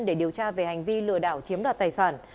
để điều tra về hành vi lừa đảo chiếm đoạt tài sản